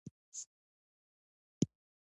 زه هیلهمن ژوند خوښوم.